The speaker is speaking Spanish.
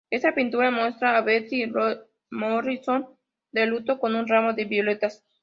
Esta pintura muestra a Berthe Morisot de luto con un ramo de violetas.